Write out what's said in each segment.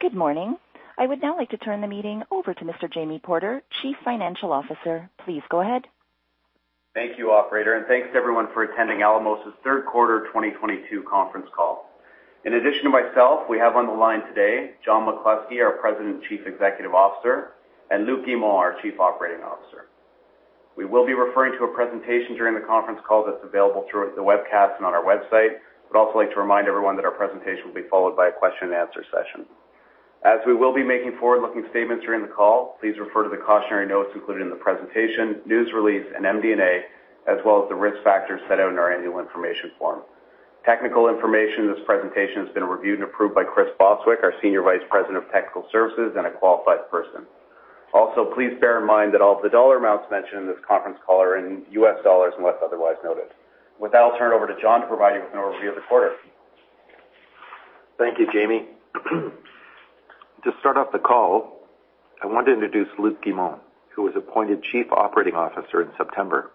Good morning. I would now like to turn the meeting over to Mr. Jamie Porter, Chief Financial Officer. Please go ahead. Thank you, operator, and thanks everyone for attending Alamos' Third Quarter 2022 Conference Call. In addition to myself, we have on the line today John McCluskey, our President and Chief Executive Officer, and Luc Guimond, our Chief Operating Officer. We will be referring to a presentation during the conference call that's available through the webcast and on our website. I'd also like to remind everyone that our presentation will be followed by a question and answer session. As we will be making forward-looking statements during the call, please refer to the cautionary notes included in the presentation, news release, and MD&A, as well as the risk factors set out in our Annual Information Form. Technical information in this presentation has been reviewed and approved by Chris Bostwick, our Senior Vice President of Technical Services, and a qualified person. Also, please bear in mind that all of the dollar amounts mentioned in this conference call are in U.S. dollars, unless otherwise noted. With that, I'll turn it over to John to provide you with an overview of the quarter. Thank you, Jamie. To start off the call, I want to introduce Luc Guimond, who was appointed Chief Operating Officer in September.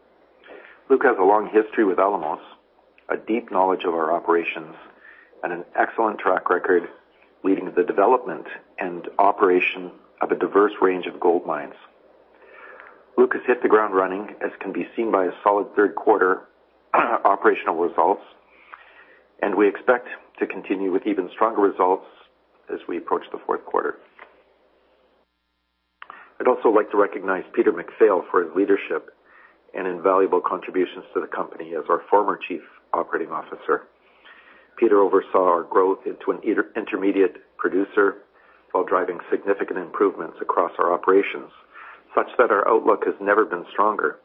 Luc has a long history with Alamos, a deep knowledge of our operations, and an excellent track record leading the development and operation of a diverse range of gold mines. Luc has hit the ground running, as can be seen by his solid third quarter operational results, and we expect to continue with even stronger results as we approach the fourth quarter. I'd also like to recognize Peter MacPhail for his leadership and invaluable contributions to the company as our former Chief Operating Officer. Peter oversaw our growth into an intermediate producer while driving significant improvements across our operations, such that our outlook has never been stronger.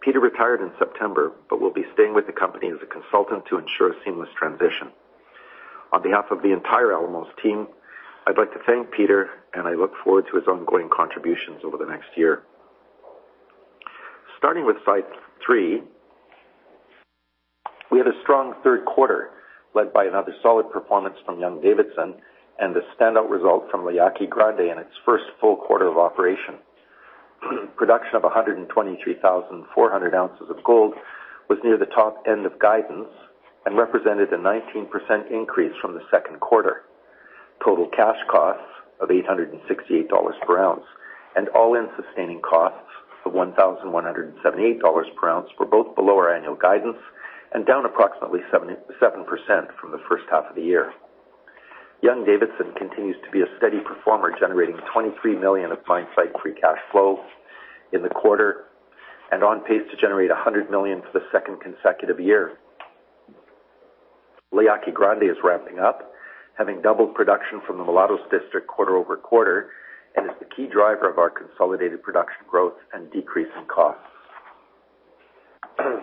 Peter retired in September, but will be staying with the company as a consultant to ensure a seamless transition. On behalf of the entire Alamos team, I'd like to thank Peter, and I look forward to his ongoing contributions over the next year. Starting with slide three, we had a strong third quarter, led by another solid performance from Young-Davidson and the standout result from La Yaqui Grande in its first full quarter of operation. Production of 123,400 ounces of gold was near the top end of guidance and represented a 19% increase from the second quarter. Total cash costs of $868 per ounce and all-in sustaining costs of $1,178 per ounce were both below our annual guidance and down approximately 7% from the first half of the year. Young-Davidson continues to be a steady performer, generating $23 million of mine site free cash flow in the quarter and on pace to generate $100 million for the second consecutive year. La Yaqui Grande is ramping up, having doubled production from the Mulatos District quarter-over-quarter, and is the key driver of our consolidated production growth and decrease in costs.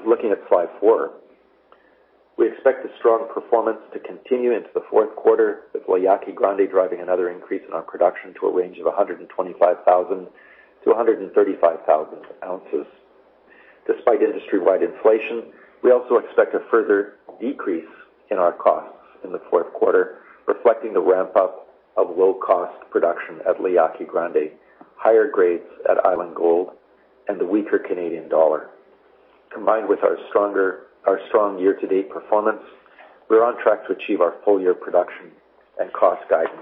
Looking at slide four. We expect a strong performance to continue into the fourth quarter, with La Yaqui Grande driving another increase in our production to a range of 125,000 ounces-135,000 ounces. Despite industry-wide inflation, we also expect a further decrease in our costs in the fourth quarter, reflecting the ramp-up of low-cost production at La Yaqui Grande, higher grades at Island Gold, and the weaker Canadian dollar. Combined with our strong year-to-date performance, we're on track to achieve our full-year production and cost guidance.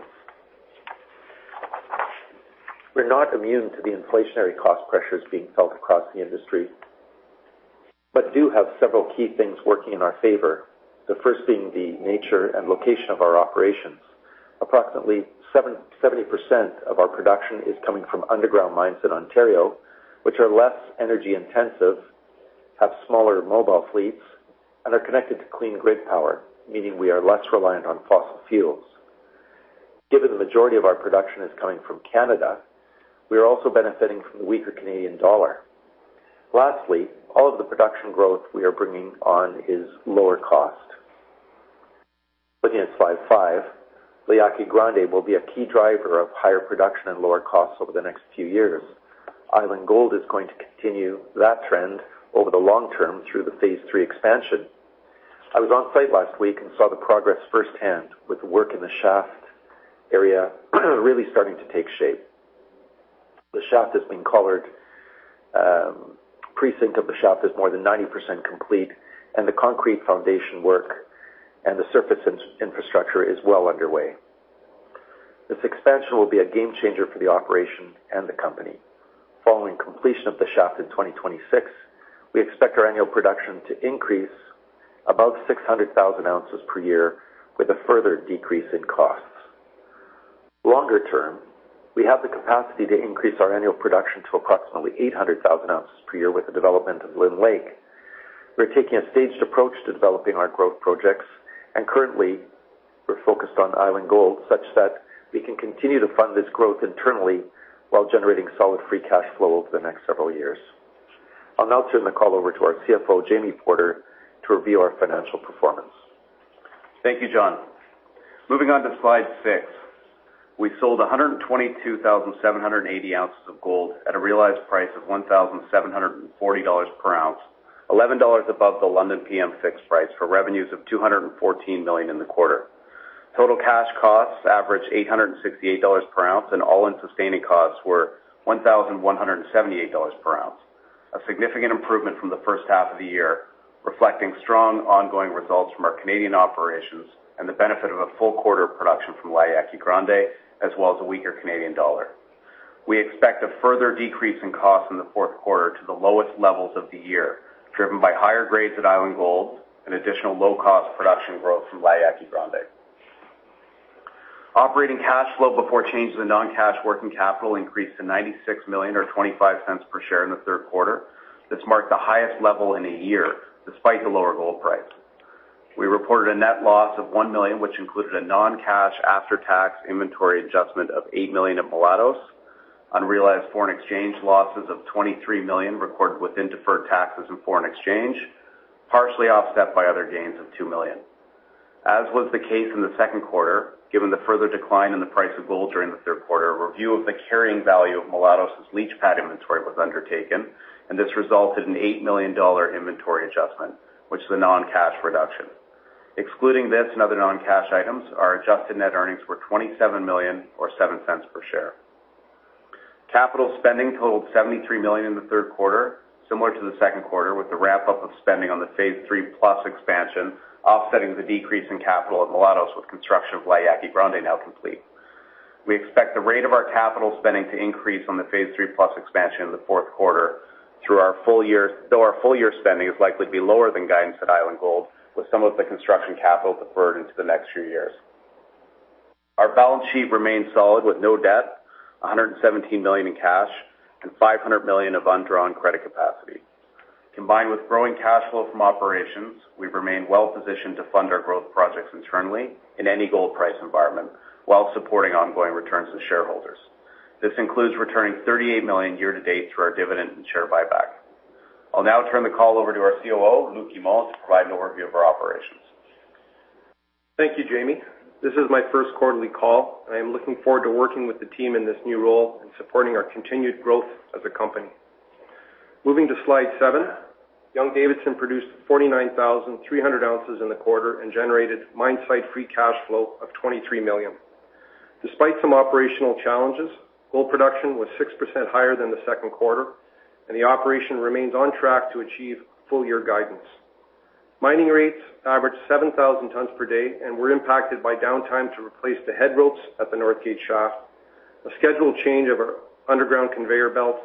We're not immune to the inflationary cost pressures being felt across the industry, but do have several key things working in our favor. The first being the nature and location of our operations. Approximately 70% of our production is coming from underground mines in Ontario, which are less energy intensive, have smaller mobile fleets, and are connected to clean grid power, meaning we are less reliant on fossil fuels. Given the majority of our production is coming from Canada, we are also benefiting from the weaker Canadian dollar. Lastly, all of the production growth we are bringing on is lower cost. Looking at slide five, La Yaqui Grande will be a key driver of higher production and lower costs over the next few years. Island Gold is going to continue that trend over the long term through the phase III expansion. I was on site last week and saw the progress firsthand with work in the shaft area really starting to take shape. The shaft has been collared, precinct of the shaft is more than 90% complete, and the concrete foundation work and the surface infrastructure is well underway. This expansion will be a game changer for the operation and the company. Following completion of the shaft in 2026, we expect our annual production to increase above 600,000 ounces per year with a further decrease in costs. Longer term, we have the capacity to increase our annual production to approximately 800,000 ounces per year with the development of Lynn Lake. We're taking a staged approach to developing our growth projects, and currently we're focused on Island Gold such that we can continue to fund this growth internally while generating solid free cash flow over the next several years. I'll now turn the call over to our CFO, Jamie Porter, to review our financial performance. Thank you, John. Moving on to slide six. We sold 122,780 ounces of gold at a realized price of $1,740 per ounce, $11 above the London PM fixed price, for revenues of $214 million in the quarter. Total cash costs averaged $868 per ounce, and all-in sustaining costs were $1,178 per ounce. A significant improvement from the first half of the year, reflecting strong ongoing results from our Canadian operations and the benefit of a full quarter of production from La Yaqui Grande, as well as a weaker Canadian dollar. We expect a further decrease in cost in the fourth quarter to the lowest levels of the year, driven by higher grades at Island Gold and additional low-cost production growth from La Yaqui Grande. Operating cash flow before changes in non-cash working capital increased to $96 million or $0.25 per share in the third quarter. This marked the highest level in a year, despite the lower gold price. We reported a net loss of $1 million, which included a non-cash after-tax inventory adjustment of $8 million in Mulatos, unrealized foreign exchange losses of $23 million recorded within deferred taxes and foreign exchange, partially offset by other gains of $2 million. As was the case in the second quarter, given the further decline in the price of gold during the third quarter, a review of the carrying value of Mulatos' leach pad inventory was undertaken, and this resulted in $8 million inventory adjustment, which is a non-cash reduction. Excluding this and other non-cash items, our adjusted net earnings were $27 million or $0.07 per share. Capital spending totaled $73 million in the third quarter, similar to the second quarter, with the ramp-up of spending on the phase III+ Expansion offsetting the decrease in capital at Mulatos with construction of La Yaqui Grande now complete. We expect the rate of our capital spending to increase on the phase III+ Expansion in the fourth quarter. Though our full year spending is likely to be lower than guidance at Island Gold, with some of the construction capital deferred into the next few years. Our balance sheet remains solid, with no debt, $117 million in cash, and $500 million of undrawn credit capacity. Combined with growing cash flow from operations, we've remained well-positioned to fund our growth projects internally in any gold price environment while supporting ongoing returns to shareholders. This includes returning $38 million year to date through our dividend and share buyback. I'll now turn the call over to our COO, Luc Guimond, to provide an overview of our operations. Thank you, Jamie. This is my first quarterly call, and I am looking forward to working with the team in this new role and supporting our continued growth as a company. Moving to slide seven, Young-Davidson produced 49,300 ounces in the quarter and generated mine site free cash flow of $23 million. Despite some operational challenges, gold production was 6% higher than the second quarter, and the operation remains on track to achieve full year guidance. Mining rates averaged 7,000 tons per day and were impacted by downtime to replace the head ropes at the Northgate Shaft, a scheduled change of our underground conveyor belt,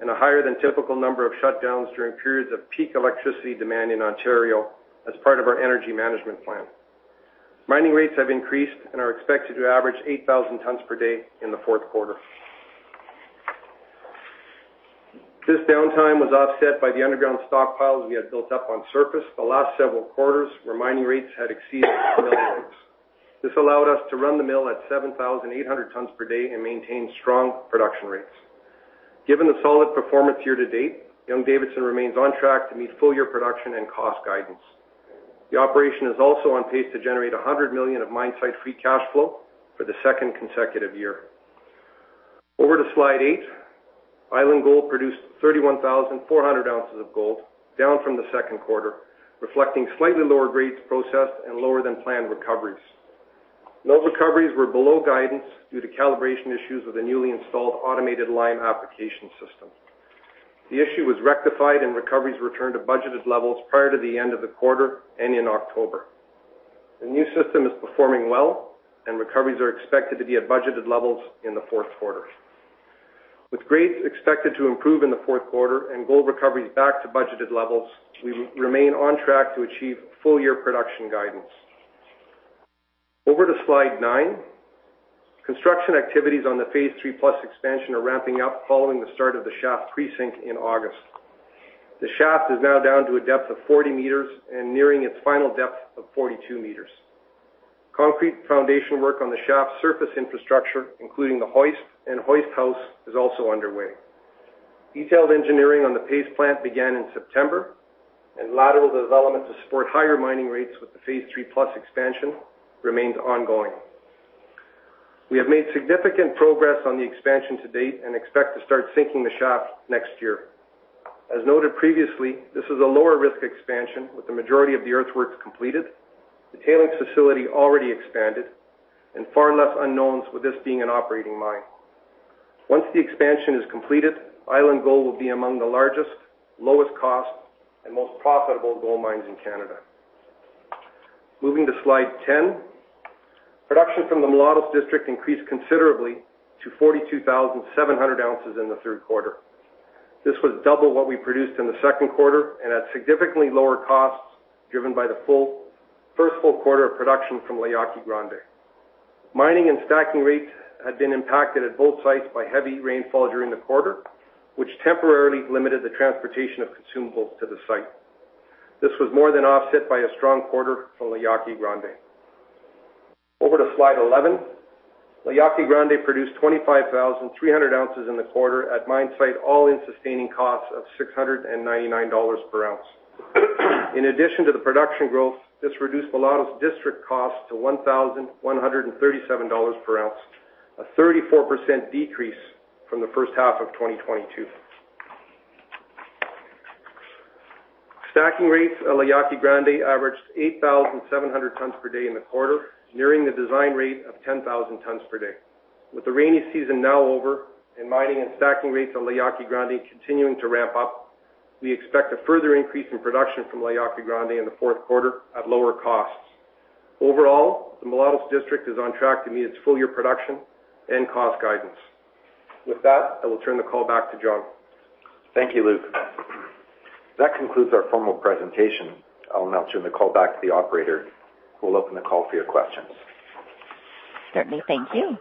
and a higher than typical number of shutdowns during periods of peak electricity demand in Ontario as part of our energy management plan. Mining rates have increased and are expected to average 8,000 tons per day in the fourth quarter. This downtime was offset by the underground stockpiles we had built up on surface the last several quarters, where mining rates had exceeded mill rates. This allowed us to run the mill at 7,800 tons per day and maintain strong production rates. Given the solid performance year to date, Young-Davidson remains on track to meet full year production and cost guidance. The operation is also on pace to generate $100 million of mine site free cash flow for the second consecutive year. Over to slide eight, Island Gold produced 31,400 ounces of gold, down from the second quarter, reflecting slightly lower grades processed and lower than planned recoveries. Those recoveries were below guidance due to calibration issues with a newly installed automated lime application system. The issue was rectified, and recoveries returned to budgeted levels prior to the end of the quarter and in October. The new system is performing well, and recoveries are expected to be at budgeted levels in the fourth quarter. With grades expected to improve in the fourth quarter and gold recoveries back to budgeted levels, we remain on track to achieve full year production guidance. Over to slide nine, construction activities on the phase III+ Expansion are ramping up following the start of the shaft precinct in August. The shaft is now down to a depth of 40 meters and nearing its final depth of 42 meters. Concrete foundation work on the shaft surface infrastructure, including the hoist and hoist house, is also underway. Detailed engineering on the paste plant began in September, and lateral development to support higher mining rates with the phase III+ Expansion remains ongoing. We have made significant progress on the expansion to date and expect to start sinking the shaft next year. As noted previously, this is a lower risk expansion, with the majority of the earthworks completed, the tailings facility already expanded, and far less unknowns with this being an operating mine. Once the expansion is completed, Island Gold will be among the largest, lowest cost, and most profitable gold mines in Canada. Moving to slide 10, production from the Mulatos District increased considerably to 42,700 ounces in the third quarter. This was double what we produced in the second quarter and at significantly lower costs, driven by the first full quarter of production from La Yaqui Grande. Mining and stacking rates had been impacted at both sites by heavy rainfall during the quarter, which temporarily limited the transportation of consumables to the site. This was more than offset by a strong quarter for La Yaqui Grande. Over to slide 11. La Yaqui Grande produced 25,300 ounces in the quarter at mine site all-in sustaining costs of $699 per ounce. In addition to the production growth, this reduced Mulatos' district cost to $1,137 per ounce, a 34% decrease from the first half of 2022. Stacking rates at La Yaqui Grande averaged 8,700 tons per day in the quarter, nearing the design rate of 10,000 tons per day. With the rainy season now over and mining and stacking rates at La Yaqui Grande continuing to ramp up, we expect a further increase in production from La Yaqui Grande in the fourth quarter at lower costs. Overall, the Mulatos District is on track to meet its full year production and cost guidance. With that, I will turn the call back to John. Thank you, Luc Guimond. That concludes our formal presentation. I'll now turn the call back to the operator who will open the call for your questions. Certainly. Thank you.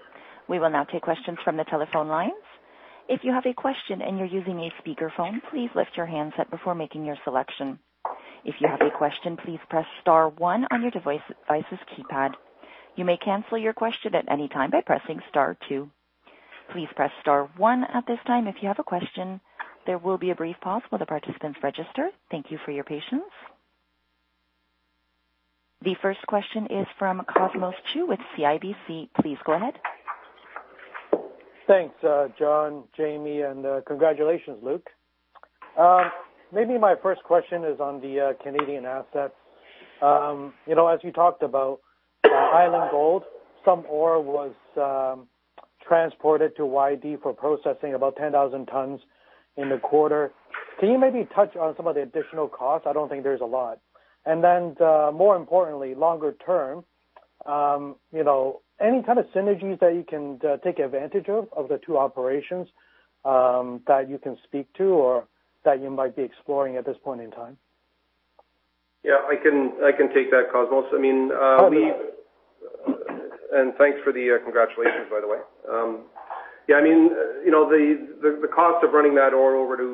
We will now take questions from the telephone lines. If you have a question and you're using a speaker phone, please lift your handset before making your selection. If you have a question, please press star one on your device's keypad. You may cancel your question at any time by pressing star two. Please press star one at this time if you have a question. There will be a brief pause while the participants register. Thank you for your patience. The first question is from Cosmos Chiu with CIBC. Please go ahead. Thanks, John, Jamie, and congratulations, Luc. Maybe my first question is on the Canadian assets. You know, as you talked about Island Gold, some ore was transported to YD for processing about 10,000 tons in the quarter. Can you maybe touch on some of the additional costs? I don't think there's a lot. More importantly, longer term, you know, any kind of synergies that you can take advantage of the two operations, that you can speak to or that you might be exploring at this point in time? Yeah, I can take that, Cosmos. I mean Okay. Thanks for the congratulations, by the way. Yeah, I mean, you know, the cost of running that ore over to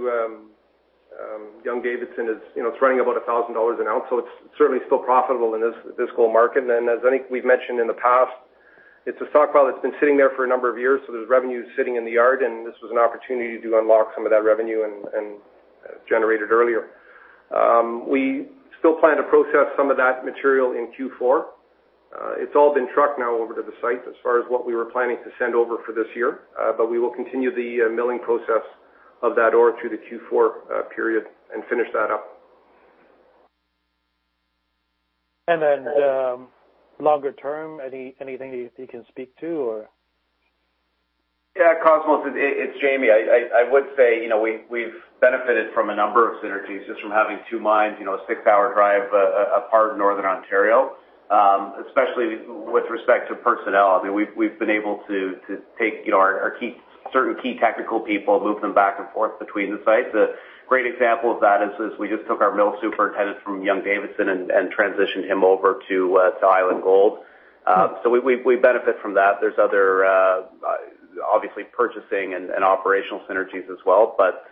Young-Davidson is, you know, it's running about $1,000 an ounce, so it's certainly still profitable in this gold market. As I think we've mentioned in the past, it's a stockpile that's been sitting there for a number of years, so there's revenue sitting in the yard, and this was an opportunity to unlock some of that revenue and generate it earlier. We still plan to process some of that material in Q4. It's all been trucked now over to the site as far as what we were planning to send over for this year. We will continue the milling process of that ore through the Q4 period and finish that up. Longer term, anything you can speak to? Yeah, Cosmos, it's Jamie. I would say, you know, we've benefited from a number of synergies just from having two mines, you know, a six-hour drive apart in Northern Ontario, especially with respect to personnel. I mean, we've been able to take, you know, certain key technical people, move them back and forth between the sites. A great example of that is we just took our mill superintendent from Young-Davidson and transitioned him over to Island Gold. So we benefit from that. There's other obviously purchasing and operational synergies as well. But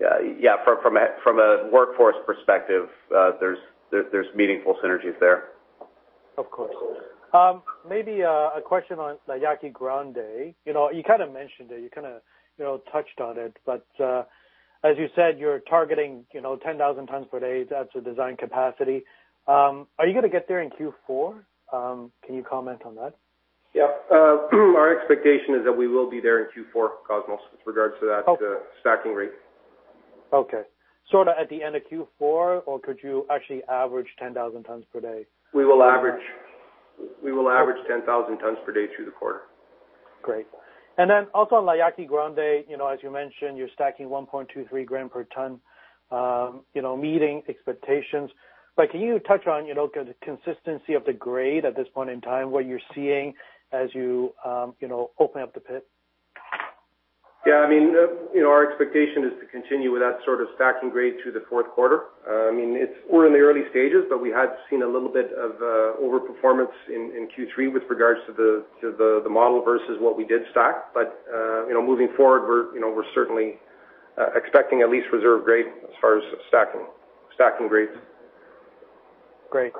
yeah, from a workforce perspective, there's meaningful synergies there. Of course. Maybe a question on La Yaqui Grande. You know, you kinda mentioned it, you know, touched on it, but as you said, you're targeting, you know, 10,000 tons per day. That's the design capacity. Are you gonna get there in Q4? Can you comment on that? Yeah. Our expectation is that we will be there in Q4, Cosmos, with regards to that. Okay. Stacking rate. Okay. Sort of at the end of Q4, or could you actually average 10,000 tons per day? We will average 10,000 tons per day through the quarter. Great. Then also on La Yaqui Grande, you know, as you mentioned, you're stacking 1.23 gram per ton, you know, meeting expectations. Can you touch on, you know, the consistency of the grade at this point in time, what you're seeing as you know, open up the pit? Yeah, I mean, you know, our expectation is to continue with that sort of stacking grade through the fourth quarter. I mean, we're in the early stages, but we have seen a little bit of overperformance in Q3 with regards to the model versus what we did stack. You know, moving forward, we're certainly expecting at least reserve grade as far as stacking grades. Great.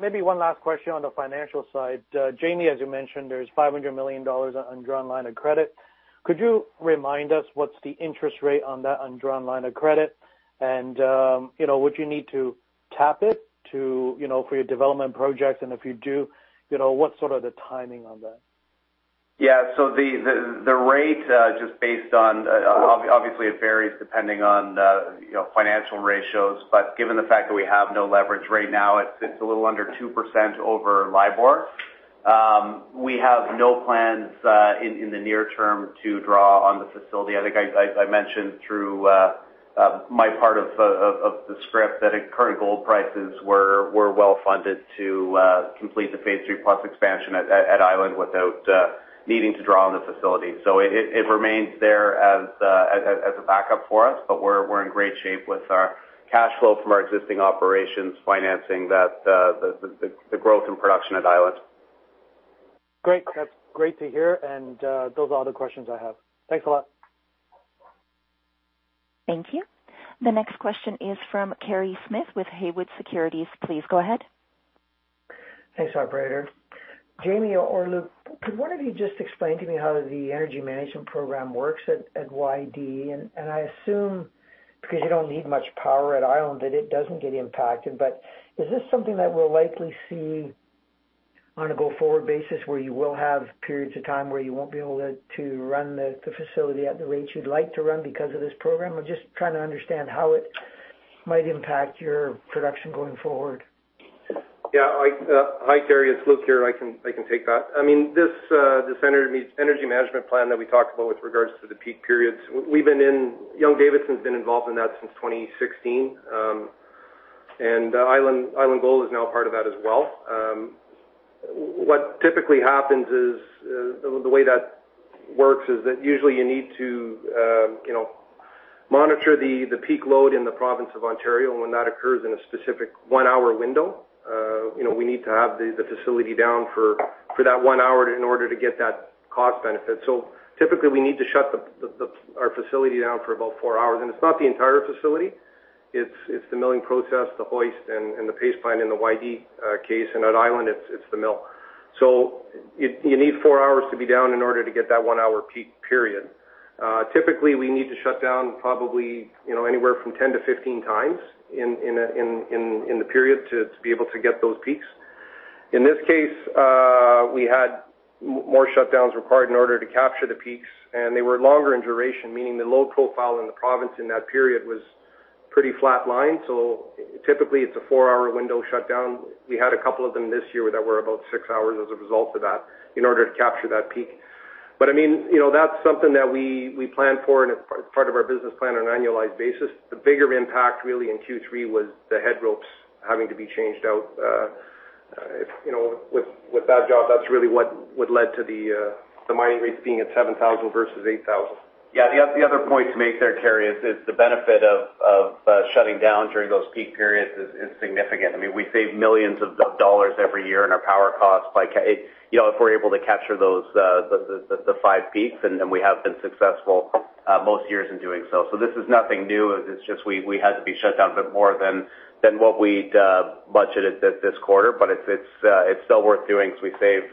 Maybe one last question on the financial side. Jamie, as you mentioned, there's $500 million undrawn line of credit. Could you remind us what's the interest rate on that undrawn line of credit? And, you know, would you need to tap it to, you know, for your development project? And if you do, you know, what's sort of the timing on that? Yeah. The rate just based on obviously it varies depending on the, you know, financial ratios. But given the fact that we have no leverage right now, it's a little under 2% over LIBOR. We have no plans in the near term to draw on the facility. I think I mentioned through my part of the script that at current gold prices we're well-funded to complete the phase III+ Expansion at Island without needing to draw on the facility. It remains there as a backup for us, but we're in great shape with our cash flow from our existing operations financing that the growth in production at Island. Great. That's great to hear. Those are all the questions I have. Thanks a lot. Thank you. The next question is from Kerry Smith with Haywood Securities. Please go ahead. Thanks, operator. Jamie or Luc, could one of you just explain to me how the energy management program works at YD? I assume because you don't need much power at Island, that it doesn't get impacted. Is this something that we'll likely see On a go forward basis where you will have periods of time where you won't be able to run the facility at the rates you'd like to run because of this program. I'm just trying to understand how it might impact your production going forward. Yeah. Hi, Kerry, it's Luc here. I can take that. I mean, this energy management plan that we talked about with regards to the peak periods. Young-Davidson's been involved in that since 2016. Island Gold is now part of that as well. What typically happens is the way that works is that usually you need to you know monitor the peak load in the province of Ontario when that occurs in a specific one-hour window. You know, we need to have the facility down for that one hour in order to get that cost benefit. Typically, we need to shut our facility down for about four hours. It's not the entire facility. It's the milling process, the hoist and the paste plant in the YD case, and at Island it's the mill. You need four hours to be down in order to get that one-hour peak period. Typically, we need to shut down probably anywhere from 10x to 15x in the period to be able to get those peaks. In this case, we had more shutdowns required in order to capture the peaks, and they were longer in duration, meaning the load profile in the province in that period was pretty flat line. Typically, it's a four-hour window shutdown. We had a couple of them this year that were about six hours as a result of that in order to capture that peak. I mean, you know, that's something that we plan for and it's part of our business plan on an annualized basis. The bigger impact really in Q3 was the head ropes having to be changed out. You know, with that job, that's really what led to the mining rates being at 7,000 versus 8,000. Yeah, the other point to make there, Kerry, is the benefit of shutting down during those peak periods is significant. I mean, we save millions of dollars every year in our power costs. You know, if we're able to capture the five peaks, and we have been successful most years in doing so. This is nothing new. It's just we had to be shut down a bit more than what we'd budgeted this quarter. It's still worth doing because we save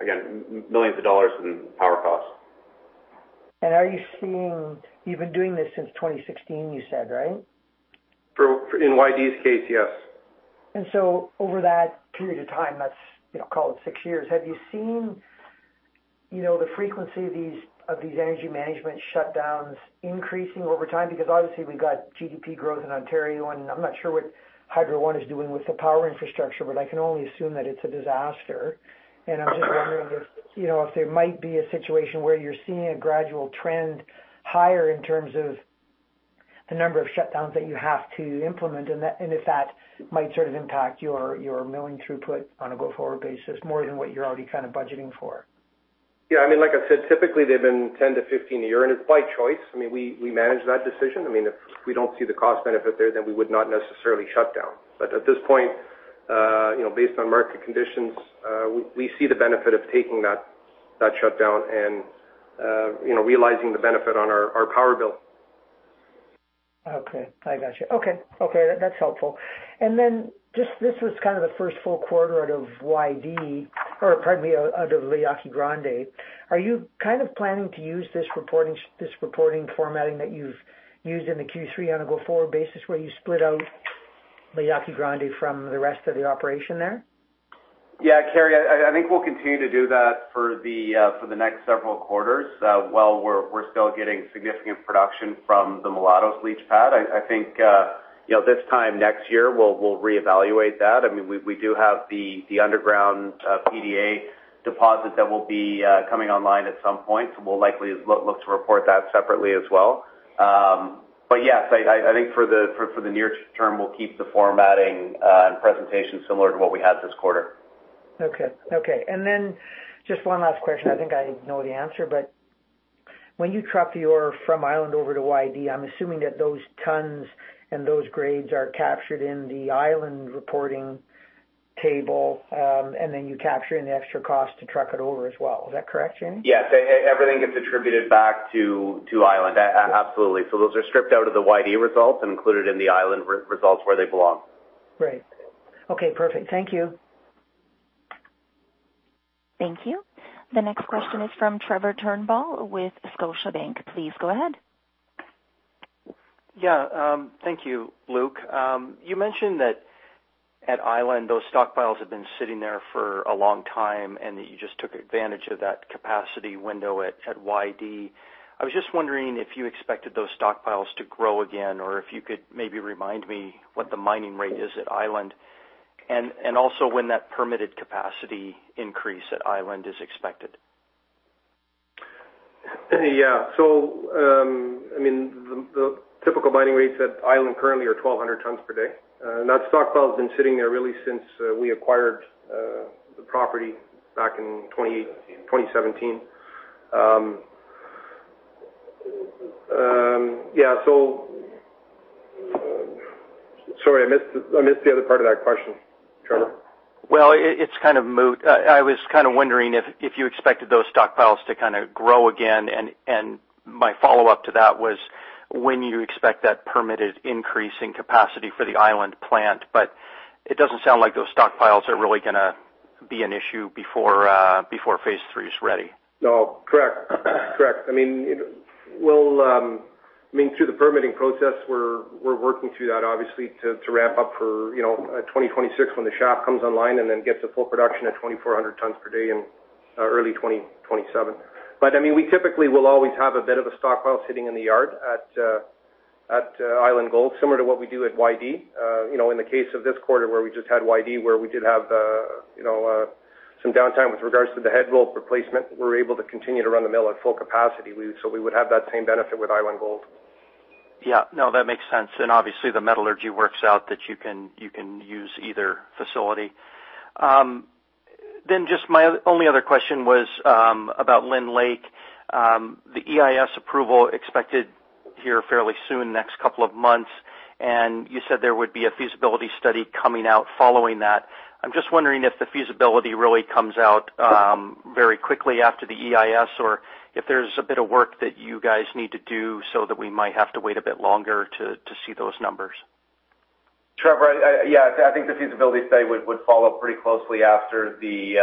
again millions of dollars in power costs. Are you seeing? You've been doing this since 2016, you said, right? For, in YD's case, yes. Over that period of time, that's, you know, call it six years, have you seen, you know, the frequency of these energy management shutdowns increasing over time? Because obviously we've got GDP growth in Ontario, and I'm not sure what Hydro One is doing with the power infrastructure, but I can only assume that it's a disaster. I'm just wondering if, you know, if there might be a situation where you're seeing a gradual trend higher in terms of the number of shutdowns that you have to implement and if that might sort of impact your milling throughput on a go forward basis more than what you're already kind of budgeting for. Yeah. I mean, like I said, typically they've been 10 to 15 a year, and it's by choice. I mean, we manage that decision. I mean, if we don't see the cost benefit there, then we would not necessarily shut down. At this point, you know, based on market conditions, we see the benefit of taking that shutdown and, you know, realizing the benefit on our power bill. Okay. I got you. Okay. That's helpful. Then just this was kind of the first full quarter out of YD, or pardon me, out of La Yaqui Grande. Are you kind of planning to use this reporting formatting that you've used in the Q3 on a go forward basis where you split out La Yaqui Grande from the rest of the operation there? Yeah, Kerry, I think we'll continue to do that for the next several quarters while we're still getting significant production from the Mulatos leach pad. I think, you know, this time next year we'll reevaluate that. I mean, we do have the underground PDA deposit that will be coming online at some point, so we'll likely look to report that separately as well. But yes, I think for the near-term, we'll keep the formatting and presentation similar to what we had this quarter. Just one last question. I think I know the answer, but when you truck the ore from Island over to YD, I'm assuming that those tons and those grades are captured in the Island reporting table, and then you capture in the extra cost to truck it over as well. Is that correct, Jamie? Yes. Everything gets attributed back to Island. Absolutely. Those are stripped out of the YD results and included in the Island results where they belong. Great. Okay, perfect. Thank you. Thank you. The next question is from Trevor Turnbull with Scotiabank. Please go ahead. Yeah. Thank you, Luc. You mentioned that at Island, those stockpiles have been sitting there for a long time and that you just took advantage of that capacity window at YD. I was just wondering if you expected those stockpiles to grow again or if you could maybe remind me what the mining rate is at Island and also when that permitted capacity increase at Island is expected. The typical mining rates at Island currently are 1,200 tons per day. That stockpile has been sitting there really since we acquired the property back in 20- 2017. 2017. Sorry, I missed the other part of that question, Trevor. Well, it's kind of moot. I was kind of wondering if you expected those stockpiles to kind of grow again. My follow-up to that was when you expect that permitted increase in capacity for the Island plant, but it doesn't sound like those stockpiles are really gonna be an issue before phase III is ready. No, correct. I mean, it will. I mean, through the permitting process, we're working through that obviously to wrap up for, you know, 2026 when the shop comes online and then gets full production at 2,400 tons per day in early 2027. I mean, we typically will always have a bit of a stockpile sitting in the yard at Island Gold, similar to what we do at YD. You know, in the case of this quarter where we just had YD, where we did have some downtime with regards to the head rope replacement, we're able to continue to run the mill at full capacity. We would have that same benefit with Island Gold. Yeah. No, that makes sense. Obviously the metallurgy works out that you can use either facility. Then just my only other question was about Lynn Lake. The EIS approval expected here fairly soon, next couple of months, and you said there would be a feasibility study coming out following that. I'm just wondering if the feasibility really comes out very quickly after the EIS, or if there's a bit of work that you guys need to do so that we might have to wait a bit longer to see those numbers. Trevor, yeah, I think the feasibility study would follow pretty closely after the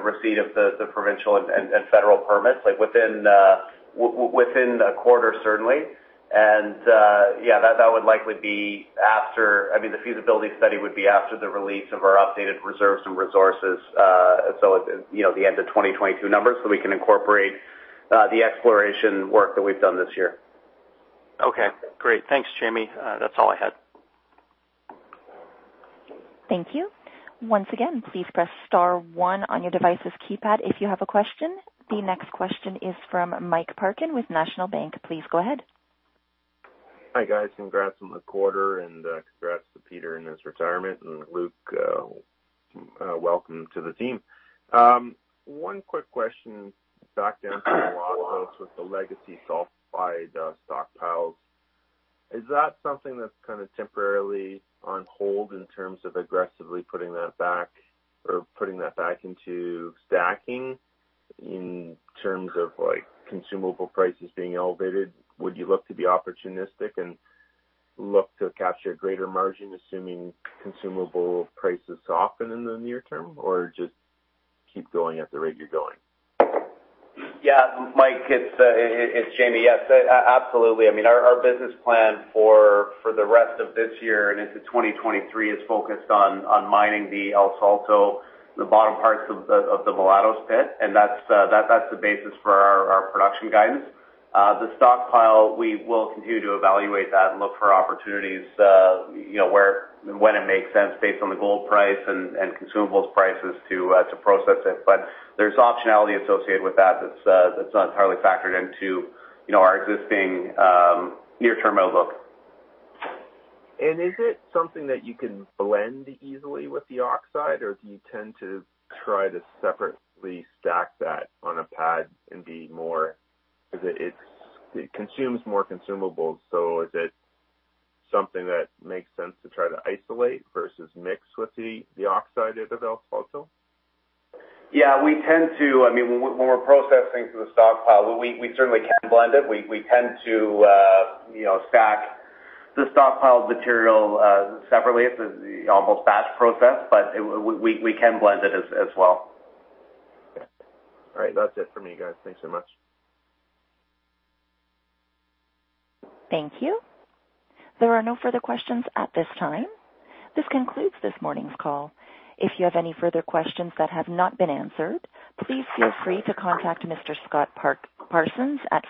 receipt of the provincial and federal permits, like, within a quarter certainly. Yeah, that would likely be after. I mean, the feasibility study would be after the release of our updated reserves and resources, so it's you know, the end of 2022 numbers, so we can incorporate the exploration work that we've done this year. Okay, great. Thanks, Jamie. That's all I had. Thank you. Once again, please press star one on your device's keypad if you have a question. The next question is from Mike Parkin with National Bank. Please go ahead. Hi, guys. Congrats on the quarter, and congrats to Peter in his retirement, and Luc, welcome to the team. One quick question back down to the Mulatos with the legacy sulfide stockpiles. Is that something that's kind of temporarily on hold in terms of aggressively putting that back or putting that back into stacking in terms of, like, consumable prices being elevated? Would you look to be opportunistic and look to capture greater margin, assuming consumable prices soften in the near term, or just keep going at the rate you're going? Yeah. Mike, it's Jamie. Yes, absolutely. I mean, our business plan for the rest of this year and into 2023 is focused on mining the El Salto, the bottom parts of the Mulatos pit, and that's the basis for our production guidance. The stockpile, we will continue to evaluate that and look for opportunities, you know, when it makes sense based on the gold price and consumables prices to process it. But there's optionality associated with that that's not entirely factored into, you know, our existing near-term outlook. Is it something that you can blend easily with the oxide, or do you tend to try to separately stack that on a pad? It consumes more consumables, so is it something that makes sense to try to isolate versus mix with the oxide at El Salto? Yeah, we tend to, I mean, when we're processing through the stockpile, we certainly can blend it. We tend to, you know, stack the stockpiled material separately. It's almost batch process, but we can blend it as well. Okay. All right. That's it for me, guys. Thanks so much. Thank you. There are no further questions at this time. This concludes this morning's call. If you have any further questions that have not been answered, please feel free to contact Mr. Scott Parsons at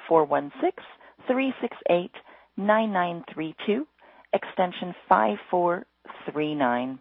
416-368-9932, extension 5439.